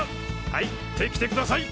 入ってきてください！